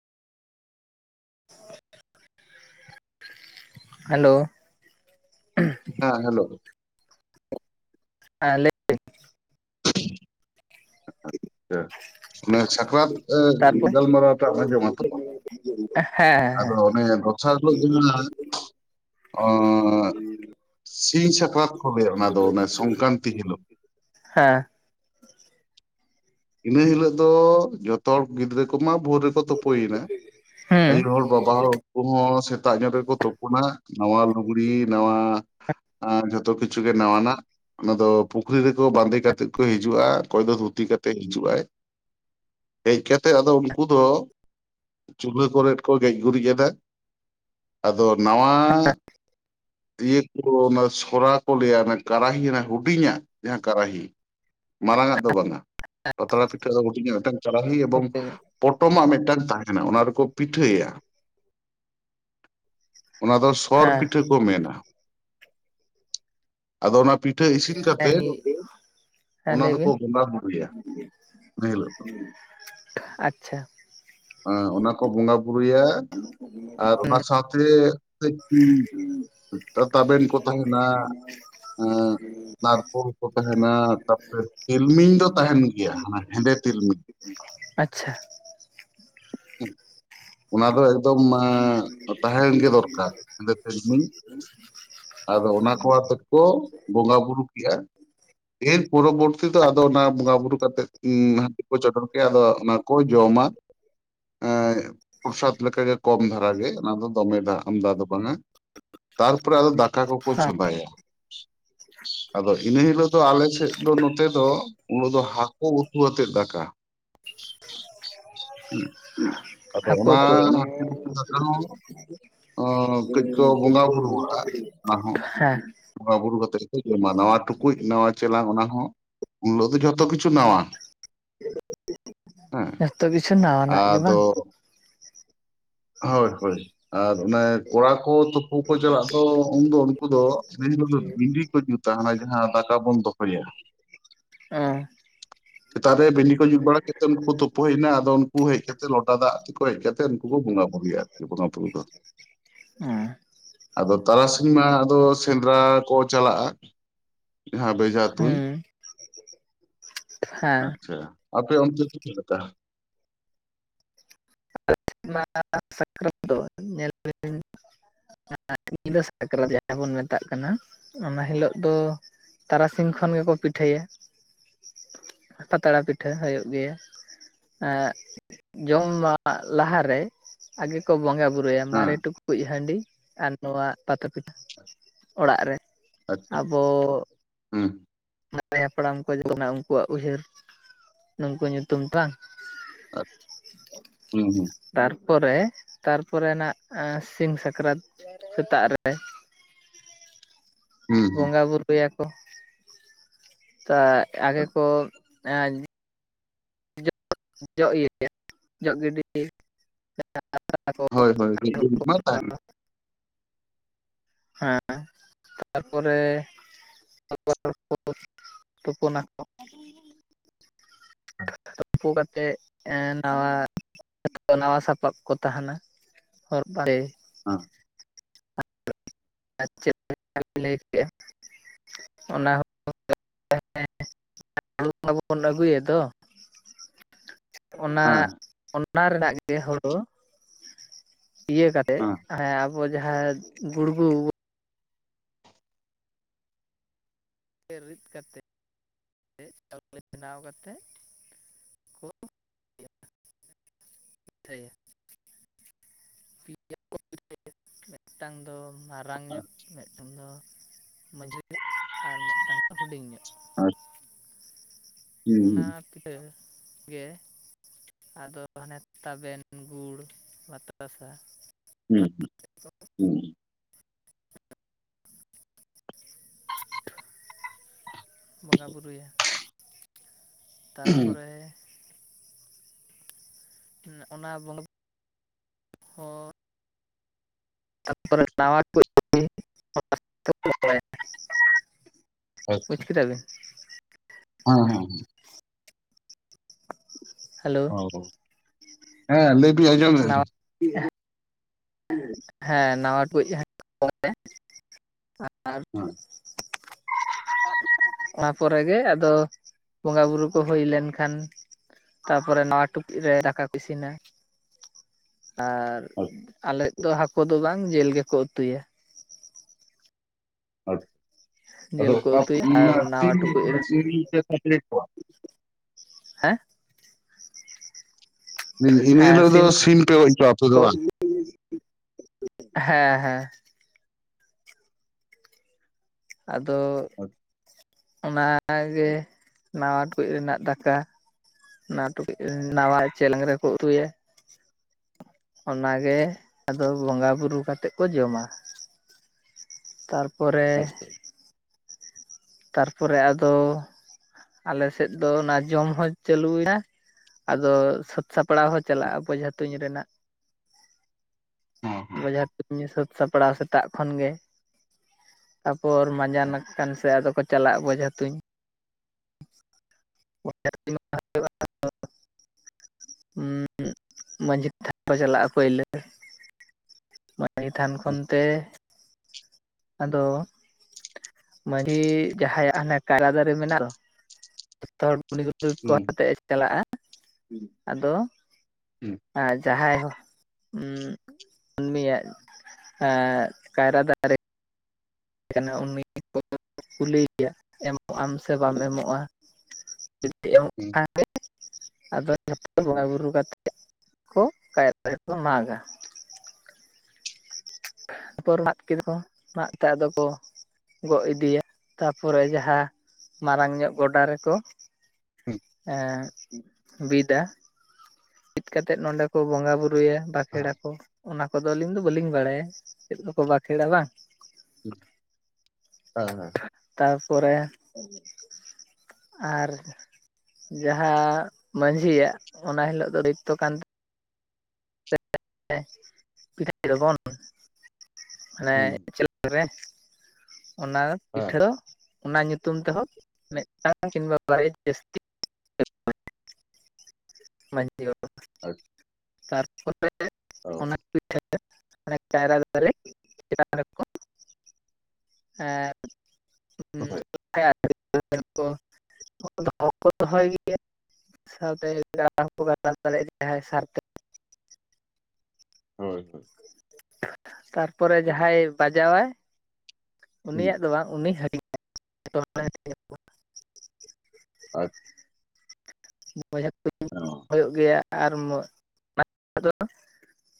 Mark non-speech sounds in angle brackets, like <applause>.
Hello ᱦᱮᱸ hello <unintelligible> ᱟᱪᱪᱷᱟ ᱚᱱᱟ ᱥᱟᱠᱨᱟᱛ ᱜᱟᱞᱢᱟᱨᱟᱣ ᱴᱟᱜ ᱮᱢ ᱟᱡᱚᱢᱟ ᱛᱚ ᱾ ᱦᱮᱸ ᱦᱮᱸ ᱫᱚᱥᱟᱨ ᱦᱤᱞᱳᱜ ᱡᱟᱦᱟᱸ <unintelligible> ᱥᱤᱧ ᱥᱟᱠᱨᱟᱛ ᱠᱚ ᱞᱟᱹᱭᱟ ᱚᱱᱟ ᱫᱚ ᱚᱱᱮ ᱥᱚᱝᱠᱨᱟᱱᱛᱤ ᱦᱤᱞᱳᱜ ᱾ ᱦᱮᱸ ᱤᱱᱟᱹ ᱦᱤᱞᱳᱜ ᱫᱚ ᱡᱷᱚᱛᱚ ᱦᱚᱲ ᱜᱤᱫᱽᱨᱟᱹ ᱠᱚᱢᱟ ᱵᱷᱳᱨ ᱨᱮᱠᱚ ᱛᱳᱯᱳᱭᱮᱱᱟ ᱟᱭᱩ ᱦᱮᱸ ᱦᱚᱲ ᱵᱟᱵᱟ ᱦᱚᱲ ᱠᱚ ᱦᱚᱸ ᱥᱮᱛᱟᱜ ᱧᱚᱜ ᱨᱮᱠᱚ ᱛᱳᱯᱳᱱᱟ ᱱᱟᱣᱟ ᱞᱩᱜᱽᱲᱤ ᱱᱟᱣᱟ ᱡᱷᱚᱛᱚ ᱠᱤᱪᱷᱩ ᱜᱮ ᱱᱟᱣᱟ ᱱᱟᱜ ᱚᱱᱟ ᱫᱚ ᱯᱩᱠᱷᱨᱤ ᱨᱮᱠᱚ ᱵᱟᱸᱫᱮ ᱠᱟᱛᱮᱫ ᱠᱚ ᱦᱤᱡᱩᱜᱼᱟ ᱚᱠᱚᱭ ᱫᱚ ᱫᱷᱩᱛᱤ ᱠᱟᱛᱮ ᱦᱤᱡᱩᱜ ᱟᱭ ᱦᱮᱡ ᱠᱟᱛᱮᱜ ᱟᱫᱚ ᱩᱱᱠᱩ ᱫᱚ ᱪᱩᱞᱦᱟᱹ ᱠᱚᱨᱮᱫ ᱠᱚ ᱜᱮᱡ ᱜᱩᱨᱤᱡ ᱟᱫᱟ ᱟᱫᱚ ᱱᱟᱣᱟ ᱤᱭᱟᱹ ᱠᱚ ᱚᱱᱟ ᱥᱚᱨᱟ ᱠᱚ ᱞᱟᱹᱭᱟ ᱚᱱᱟ ᱠᱟᱨᱟᱦᱤ ᱚᱱᱟ ᱦᱩᱰᱤᱧᱟᱜ ᱡᱟᱦᱟᱸ ᱠᱟᱨᱟᱦᱤ ᱢᱟᱨᱟᱝ ᱟᱜ ᱫᱚ ᱵᱟᱝᱟ ᱯᱟᱛᱲᱟ ᱯᱤᱴᱷᱟᱹ ᱫᱚ ᱦᱩᱰᱤᱧᱟᱜ ᱢᱤᱫᱴᱟᱝ ᱠᱟᱨᱟᱦᱤ ᱮᱵᱚᱝ ᱦᱩᱸ ᱯᱚᱴᱚᱢᱟᱜ ᱢᱤᱫᱴᱟᱝ ᱛᱟᱦᱮᱱᱟ ᱚᱱᱟ ᱨᱮᱠᱚ ᱯᱤᱴᱷᱟᱹᱭᱟ ᱚᱱᱟ ᱫᱚ, ᱥᱚᱨ ᱯᱤᱴᱷᱟᱹ ᱠᱚ ᱢᱮᱱᱟ ᱾ ᱟᱫᱚ, ᱚᱱᱟ ᱯᱤ ᱤᱴᱷᱟᱹ ᱤᱥᱤᱱ ᱦᱮᱸ ᱠᱟᱛᱮᱫ, ᱦᱮᱸ ᱚᱱᱟ ᱞᱟᱹᱭ ᱫᱚᱠᱚ ᱵᱤᱱ ᱵᱚᱸᱜᱟ ᱵᱩᱨᱩᱭᱟ ᱾ ᱵᱮᱼᱞᱟᱯᱟ, ᱾ <unintelligible> ᱟᱪᱪᱷᱟ ᱦᱮᱸ, ᱚᱱᱟ ᱠᱚ ᱵᱚᱸᱜᱟ ᱵᱩᱨᱩᱭᱟ ᱾ ᱟᱨ ᱚᱱᱟ ᱦᱩᱸ ᱥᱟᱶᱛᱮ, ᱠᱟᱹᱡ ᱛᱟᱵᱮᱱ ᱠᱚ, ᱛᱟᱦᱮᱱᱟ ᱾ <inaudible> ᱦᱮᱸᱻ ᱱᱟᱨᱠᱳᱲ ᱠᱚ ᱛᱟᱦᱮᱱᱟ, ᱛᱟᱯᱚᱨᱮ ᱛᱤᱞᱢᱤᱧ ᱫᱚ, ᱛᱟᱦᱮᱱ ᱜᱮᱭᱟ ᱾ ᱦᱟᱱᱟ ᱦᱮᱸᱫᱮ, ᱛᱤᱞᱢᱤᱧ ᱾ ᱟᱪᱪᱷᱟ <inaudible> ᱚᱱᱟ ᱫᱚ ᱮᱠᱫᱚᱢ ᱟᱸ, ᱛᱟᱦᱮᱱ ᱜᱮ <unintelligible> ᱫᱚᱨᱠᱟᱨ ᱦᱮᱸᱫᱮ ᱛᱤᱞᱢᱤᱧ <inaudible> ᱟᱫᱚ, ᱚᱱᱟ ᱠᱚ ᱣᱟᱛᱫ ᱠᱚ, ᱵᱚᱸᱜᱟ ᱵᱩᱨᱩ ᱠᱮᱜᱼᱟ ᱾ ᱮᱠ ᱯᱚᱨᱚ ᱵᱚᱨᱛᱤ ᱛᱚ, ᱟᱫᱚ ᱚᱱᱟ ᱵᱚᱸᱜᱟ ᱵᱩᱨᱩ ᱠᱟᱛᱮᱜ, ᱦᱟᱹᱰᱤ ᱠᱚ, ᱪᱚᱰᱚᱨ ᱠᱮᱫ-ᱟ ᱾ ᱟᱫᱚ, ᱚᱱᱟ ᱠᱚ, ᱡᱚᱢᱟ ᱾ ᱮᱸᱻ ᱯᱨᱚᱥᱟᱫ ᱞᱮᱠᱟ ᱜᱮ, ᱠᱚᱢ ᱫᱷᱟᱨᱟ ᱜᱮ, ᱚᱱᱟ ᱫᱚ, ᱫᱚᱢᱮ ᱟᱢᱫᱟ ᱫᱚ, ᱵᱟᱝᱟ ᱾ ᱛᱟᱨᱯᱚᱨᱮ, ᱟᱫᱚ ᱫᱟᱠ ᱠᱟᱨᱚ ᱠᱚ ᱦᱮᱸ ᱪᱚᱸᱫᱟᱭᱟ, ᱟᱫᱚ ᱤᱱᱟᱹ ᱦᱤᱞᱳᱜ ᱫᱚ, ᱟᱞᱮ ᱥᱮᱫ ᱫᱚ, ᱱᱚᱛᱮ ᱫᱚ, ᱩᱦ ᱫᱚ, ᱦᱟᱹᱠᱩ ᱩᱛᱩ ᱟᱛᱮᱫ, ᱫᱟᱠᱟ <inaudible> <unintelligible> <unintelligible> ᱟᱫᱚ ᱦᱟᱹᱠᱩ ᱚᱱᱟ ᱩᱛᱩ, <inaudible> ᱦᱟᱹᱠᱩ ᱩᱛᱩ ᱫᱟᱠᱟ ᱦᱚᱸ ᱚᱸ, ᱠᱟᱹᱡ ᱠᱚ ᱵᱚᱸᱜᱟ ᱵᱩᱨᱩᱣᱟᱜᱼᱟ ᱚᱱᱟ ᱦᱚᱸ <inaudible> ᱦᱮᱸ ᱾ ᱵᱚᱸᱜᱟ ᱵᱩᱨᱩ ᱠᱟᱛᱮᱫ ᱠᱚ, ᱡᱚᱢᱟ ᱾ ᱱᱟᱣᱟ ᱴᱩᱠᱩᱡ, ᱱᱟᱣᱟ ᱪᱮᱞᱟᱝ, ᱚᱱᱟ ᱦᱚᱸ ᱩᱱ ᱦᱤᱞᱚᱜ ᱫᱚ, ᱡᱷᱚᱛᱚ ᱠᱤᱪᱷᱩ ᱱᱟᱣᱟ ᱾ <inaudible> ᱦᱮᱸ, ᱡᱚᱛᱚ ᱠᱤᱪᱷᱩ ᱱᱟᱣᱟᱱᱟᱜ ᱜᱮ ᱵᱟᱝ ᱟᱫᱚ ᱦᱳᱭ ᱦᱳᱭ, ᱟᱨ ᱚᱱᱮ, ᱠᱚᱲᱟ ᱠᱚ ᱛᱩᱯᱩ ᱠᱚ, ᱪᱟᱞᱟᱜ ᱫᱚ, ᱩᱱ ᱫᱚ, ᱩᱱᱠᱩ ᱫᱚ, ᱥᱮᱭ ᱦᱤᱞᱚᱜ ᱫᱚ, ᱵᱤᱱᱰᱤ ᱠᱚ ᱡᱩᱛᱟ, ᱦᱟᱱᱟ, ᱡᱟᱦᱟᱸ ᱫᱟᱠᱟ ᱵᱚᱱ ᱫᱚᱦᱚᱭᱟ ᱾ ᱮᱸᱻ ᱾ ᱥᱮᱛᱟᱜ ᱨᱮ, ᱵᱤᱱᱰᱤ ᱠᱚ, ᱡᱩᱛ ᱵᱟᱲᱟ ᱠᱮᱫ ᱛᱮ, ᱩᱱᱠᱩ ᱛᱳᱯᱳ ᱦᱮᱡ ᱮᱱᱟ ᱾ ᱟᱫᱚ, ᱩᱱᱠᱩ ᱦᱮᱡ ᱠᱟᱛᱮ, ᱞᱚᱴᱟ ᱫᱟᱜ ᱠᱚ, ᱦᱮᱡ ᱠᱟᱛᱮᱫ ᱩᱱᱠᱩ ᱠᱚ, ᱵᱚᱸᱜᱟ ᱵᱩᱨᱭᱟ, ᱡᱚ ᱵᱚᱸᱜᱟ ᱵᱩᱨᱩ ᱫᱚ ᱾ ᱮᱸᱻ ᱾ ᱟᱫᱚ, ᱛᱟᱨᱟᱥᱤᱧ ᱢᱟ, ᱟᱫᱚ ᱥᱮᱸᱫᱽᱨᱟ ᱠᱚ, ᱪᱟᱞᱟᱜᱼᱟ ᱾ ᱡᱟᱦᱟᱸ ᱵᱮ ᱦᱮᱸᱻ ᱾ ᱟᱪᱪᱷᱟ, ᱟᱯᱮ ᱚᱱᱛᱮ ᱪᱮᱪᱮᱫᱼᱞᱮᱠᱟ? <unintelligible> ᱟᱞᱮ ᱥᱮᱫ ᱢᱟ ᱥᱟᱠᱨᱟᱛ ᱫᱚ ᱧᱮᱞ <unintelligible> <unintelligible> ᱡᱟᱦᱟᱸ ᱧᱤᱫᱟᱹ ᱥᱟᱠᱨᱟᱛ, ᱡᱟᱦᱟᱸ ᱵᱚᱱ ᱢᱮᱛᱟᱜ ᱠᱟᱱᱟ, ᱚᱱᱟ ᱦᱤᱞᱳᱜ ᱫᱚ ᱛᱟᱨᱟ ᱥᱤᱧ ᱠᱷᱚᱱ ᱜᱮ ᱠᱚ, ᱯᱤᱴᱷᱟᱹᱭᱟ ᱾ ᱯᱟᱛᱲᱟ ᱯᱤᱴᱷᱟᱹ ᱦᱳᱭᱳᱜ ᱜᱮᱭᱟ ᱾ ᱟᱜᱼ, ᱡᱚᱢ ᱢᱟ ᱟᱜ ᱞᱟᱦᱟᱨᱮ, ᱟᱜᱮ ᱠᱚ, ᱵᱚᱸᱜᱟ ᱵᱩᱨᱩᱭᱟ ᱾ ᱦᱮᱸ ᱢᱟᱨᱮ ᱴᱩᱠᱩ ᱠᱩᱡ ᱦᱟᱺᱰᱤ, ᱟᱨ ᱱᱚᱣᱟ ᱯᱟᱛᱟ ᱯᱤᱴᱷᱟᱹ, ᱚᱲᱟᱜ ᱨᱮ ᱾ ᱟᱪᱪᱷᱟ ᱾ ᱳᱻ ᱾ <unintelligible> ᱢᱟᱨᱮ ᱦᱟᱯᱲᱟᱢ ᱠᱚ, ᱡᱚᱛᱚ <unintelligible> ᱢᱮᱱᱟ ᱩᱱᱠᱩᱣᱟᱜ ᱩᱭᱦᱟᱹᱨ, ᱱᱩᱠᱩ ᱧᱩᱛᱩᱢ ᱴᱟᱝ ᱟᱫ, ᱭᱩᱸᱼᱦᱩᱸ ᱾ ᱛᱟᱨᱯᱚᱨᱮ, ᱛᱟᱨᱯᱚᱨᱮ ᱱᱟᱜ, ᱥᱤᱢ ᱥᱟᱠᱨᱟᱸᱛ ᱥᱮᱛᱟᱜ ᱨᱮ ᱾ ᱦᱩᱸ ᱦᱩᱸ ᱵᱚᱸᱜᱟ ᱵᱩᱨᱩ ᱭᱟᱠᱚ ᱾ ᱠᱟ ᱟᱜᱮ ᱠᱚ ᱟᱧ ᱡᱚᱜ ᱤᱭᱟᱹ ᱡᱚᱜ ᱜᱤᱰᱤ ᱾ <unintelligible> ᱦᱳᱭ ᱦᱳᱭ ᱦᱤᱡᱩᱜ ᱢᱟᱭ ᱛᱟᱦᱮ᱾ ᱦᱮᱸ ᱛᱟᱨ ᱯᱚᱨᱮ᱾ <inaudible> ᱛᱩᱯᱩᱱᱟ ᱠᱚ ᱛᱩᱯᱩ ᱠᱟᱛᱮᱫ ᱮ ᱱᱟᱣᱟ ᱥᱟᱯᱟᱵ ᱠᱚ ᱛᱟᱦᱮᱱᱟ᱾ ᱦᱚᱨ ᱵᱟᱲᱮ᱾ ᱚᱸᱻ ᱟᱨ ᱪᱮᱫ ᱞᱟᱹᱭ ᱠᱮᱫᱼᱟ ᱚᱱᱟ ᱦᱚᱸ <inaudible> <inaudible> ᱢᱟᱵᱚᱱ ᱟᱹᱜᱩᱭᱮᱫ ᱫᱚ᱾ ᱚᱱᱟ ᱚᱱᱟ ᱨᱮᱱᱟᱹᱜ ᱜᱮ ᱦᱩᱲᱩ᱾ ᱤᱭᱟᱹ ᱠᱟᱛᱮᱜ ᱦᱮ ᱟᱵᱚ ᱡᱟᱦᱟ ᱜᱩᱲᱜᱩ᱾ ᱨᱤᱫ ᱠᱟᱛᱮ ᱪᱟᱣᱞᱮ ᱵᱮᱱᱟᱣ ᱠᱟᱛᱮᱜ ᱠᱚ᱾ ᱯᱤᱴᱟᱹᱭᱟ <unintelligible> ᱢᱮᱴᱟᱝ ᱫᱚ ᱢᱟᱨᱟᱝ ᱧᱚᱜ ᱢᱤᱫᱴᱟᱝ ᱫᱚ ᱢᱟᱺᱡᱟᱹᱨᱤ ᱧᱚᱜ ᱟᱨ ᱢᱤᱫᱴᱟᱝ ᱫᱚ ᱦᱩᱰᱤᱧ ᱧᱚᱜ᱾ <unintelligible> ᱚᱱᱟ ᱛᱮ ᱜᱮ ᱟᱫᱚ ᱦᱟᱱᱮ ᱛᱟᱵᱮᱱ ᱜᱩᱲ ᱵᱟᱛᱟᱥᱟ᱾ ᱦᱩ <unintelligible> ᱵᱚᱸᱜᱟ ᱵᱩᱨᱩᱭᱟ ᱛᱟᱹᱨ ᱯᱚᱨᱮ ᱚᱱᱟ ᱵᱚᱸᱜᱟ ᱦᱚᱸ ᱛᱟᱨᱯᱚᱨᱮ <unintelligible> ᱵᱩᱡᱽ ᱟᱪᱪᱷᱟ ᱠᱮᱫᱟ ᱵᱤᱱ ᱦᱮᱸ ᱦᱮᱸ ᱦᱮᱞᱳ ᱟ ᱦᱮᱸ ᱞᱟᱹᱭ ᱵᱤᱱ ᱟᱡᱚᱢ ᱫᱟᱞᱤᱝ᱾ <unintelligible> ᱦᱮᱸ ᱱᱟᱣᱟ <unintelligible> ᱟᱨ ᱦᱚᱸ <unintelligible> ᱚᱱᱟ ᱯᱚᱨᱮ ᱜᱮ ᱟᱫᱚ ᱵᱳᱸᱜᱟ ᱵᱩᱨᱩ ᱠᱚ ᱦᱩᱭ ᱞᱮᱱᱠᱷᱟᱱ᱾ ᱛᱟᱯᱚᱨᱮ ᱱᱚᱣᱟ ᱴᱩᱠᱩ ᱨᱮ ᱫᱟᱠᱟ ᱠᱚ ᱤᱥᱤᱱᱟ᱾ ᱟᱨ ᱟᱞᱮ ᱫᱚ ᱦᱟᱹᱠᱩ ᱫᱚ ᱵᱟᱝ ᱡᱤᱞ ᱜᱮᱠᱚ ᱩᱛᱩᱭᱟ᱾ <unintelligible> ᱠᱮᱫ ᱡᱤᱞ ᱠᱚ ᱩᱛᱩᱭᱟ ᱟᱨ ᱱᱟᱣᱟ ᱴᱩᱠᱩᱡ ᱨᱮ ᱠᱚᱣᱟ ᱦᱮᱸ <inaudible> ᱨᱮᱫᱚ ᱥᱤᱢ ᱯᱮ ᱟᱯᱮ ᱫᱚ ᱠᱚ ᱵᱟᱝ ᱦᱮᱸ ᱦᱮᱸ ᱟᱫᱚ ᱚᱱᱟᱜᱮ ᱱᱟᱣᱟ ᱴᱩᱠᱩᱡ ᱨᱮᱱᱟᱜ ᱫᱟᱠᱟ᱾ ᱱᱟᱣᱟ ᱴᱩᱠᱩᱡ ᱱᱟᱣᱟ ᱪᱮᱞᱮᱝ ᱨᱮᱠᱚ ᱩᱛᱩᱭᱟ᱾ ᱚᱱᱟᱜᱮ ᱟᱫᱚ ᱵᱚᱸᱜᱟ ᱵᱩᱨᱩ ᱠᱟᱛᱮᱜ ᱠᱚ ᱡᱚᱢᱟ ᱛᱟᱨ᱾ ᱯᱚᱨᱮ ᱛᱟᱨᱯᱚᱨᱮ ᱟᱫᱚ ᱟᱞᱮᱥᱮᱫ ᱫᱚ ᱚᱱᱟ ᱡᱚᱢ ᱦᱚᱸ ᱪᱟᱹᱞᱩᱭᱮᱱᱟ᱾ ᱟᱫᱚ ᱥᱟᱹᱛ ᱥᱟᱯᱲᱟᱣ ᱦᱚᱸ ᱪᱟᱞᱟᱜᱼᱟ ᱵᱚᱡᱷᱟ ᱛᱩᱧ ᱨᱮᱱᱟᱜ᱾ ᱵᱡᱷᱟ ᱛᱩᱧ ᱥᱟᱹᱛ ᱥᱟᱯᱲᱟᱣ ᱥᱮᱛᱟᱜ ᱠᱷᱚᱱ ᱜᱮ᱾ ᱛᱟ ᱯᱚᱨ ᱢᱟᱸᱡᱟᱱ ᱟᱠᱟᱱ ᱥᱮ ᱟᱫᱚ ᱠᱚ ᱪᱟᱞᱟᱜᱼᱟ ᱵᱡᱷᱟ ᱛᱩᱧ᱾ <unintelligible> ᱩᱸ ᱢᱟᱺᱡᱷᱤ <inaudible> ᱛᱷᱟᱱ ᱠᱚ ᱪᱟᱞᱟᱜᱼᱟ ᱯᱩᱭᱞᱩ ᱢᱟᱺᱡᱷᱤ ᱛᱷᱟᱱ ᱠᱷᱚᱱ ᱛᱮ ᱟᱫᱚ ᱢᱟᱺᱡᱷᱤ ᱡᱟᱦᱟᱸᱭᱟᱜ ᱦᱟᱱᱮ ᱠᱟᱭᱨᱟ ᱫᱟᱨᱮ ᱢᱮᱱᱟᱜ ᱫᱚᱼᱼ ᱡᱷᱚᱛᱚ <unintelligible> ᱠᱚ ᱟᱛᱮᱜ ᱮ ᱪᱟᱞᱟᱜᱼᱟ ᱟᱫᱚᱼᱼ ᱟᱨ ᱡᱟᱦᱟᱸᱭ ᱦᱚᱸ ᱩᱸ ᱩᱱᱤᱭᱟᱜ ᱟ ᱠᱟᱭᱨᱟ ᱫᱟᱨᱮ ᱠᱷᱟᱱ ᱩᱱᱤ ᱠᱚ ᱠᱩᱞᱤᱭᱮᱭᱟ ᱮᱢᱚᱜ ᱟᱢ ᱥᱮ ᱵᱟᱢ ᱮᱢᱚᱜᱼᱟ᱾ <unintelligible> <inaudible> <unintelligible> ᱡᱚᱛᱚ ᱵᱚᱸᱜᱟ ᱵᱩᱨᱩ ᱠᱟᱛᱮᱜ ᱠᱚ ᱠᱟᱭᱨᱟ ᱫᱟᱨᱮ ᱠᱚ ᱢᱟᱜᱟ᱾ <unintelligible> ᱟᱫᱚ ᱠᱚ ᱜᱚᱜ ᱤᱫᱤᱭᱟ <inaudible> ᱛᱟᱯᱚᱨᱮ ᱡᱟᱦᱟᱸ ᱢᱟᱨᱟᱝ ᱧᱚᱜ ᱜᱚᱰᱟ ᱨᱮᱠᱚᱼᱼ ᱮᱸ ᱵᱤᱫᱟ᱾ ᱵᱤᱫ ᱠᱟᱛᱮᱫ ᱱᱚᱸᱰᱮ ᱠᱚ ᱵᱚᱸᱜᱟ ᱵᱩᱨᱩᱭᱟ ᱵᱟᱠᱷᱮᱲᱟ ᱠᱚ ᱚᱱᱟ ᱠᱚᱫᱚ ᱟᱞᱤᱧ ᱫᱚ ᱵᱟᱹᱞᱤᱧ ᱵᱟᱲᱟᱭᱟ᱾ ᱪᱮᱫ ᱫᱚᱠᱚ ᱵᱟᱠᱷᱮᱲᱟ ᱵᱟᱝ ᱦᱮᱸ ᱦᱮᱸ ᱛᱟᱯᱚᱨᱮ ᱟᱨᱼᱼ ᱡᱟᱦᱟᱸ ᱢᱟᱹᱡᱷᱤᱭᱟᱜ ᱚᱱᱟ ᱦᱤᱞᱚᱜ ᱫᱚ <unintelligible> ᱠᱟᱱᱼᱼ <unintelligible> ᱢᱟᱱᱮᱼᱼ ᱠᱚᱨᱮ ᱚᱱᱟ ᱯᱤᱴᱷᱟᱹᱼᱼ ᱚᱱᱟ ᱧᱩᱛᱩᱢ ᱛᱮᱵᱚ ᱢᱤᱫᱴᱟᱝ ᱠᱤᱱᱵᱟ ᱵᱟᱨᱮᱭᱟ ᱡᱟᱹᱥᱛᱤᱼᱼ <unintelligible> <unintelligible> ᱛᱟᱨᱯᱚᱨᱮ ᱚᱱᱟᱼᱼ ᱯᱤᱴᱷᱟᱹ ᱚᱱᱮ ᱠᱟᱭᱨᱟ ᱫᱟᱨᱮ <unintelligible> ᱦᱮᱸ ᱚᱽ ᱦᱳᱭ <unintelligible> ᱥᱟᱶᱛᱮᱼᱼ <unintelligible> ᱥᱟᱨᱛᱮ ᱦᱳᱭ ᱦᱳᱭ ᱛᱟᱨᱯᱚᱨᱮ ᱡᱟᱦᱟᱸᱭ ᱵᱟᱡᱟᱣᱼᱟᱭ ᱩᱱᱤᱭᱟᱜ ᱫᱚ ᱵᱟᱝ ᱩᱱᱤ ᱦᱟᱹᱵᱤᱡᱼᱼ <unintelligible> ᱟᱡᱼᱼ <unintelligible> ᱦᱩᱭᱩᱜ ᱜᱮᱭᱟ ᱟᱨ <unintelligible>